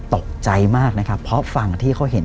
ตกใจมากนะครับเพราะฝั่งที่เขาเห็น